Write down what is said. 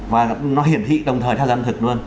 và nó hiển thị đồng thời theo gian thực luôn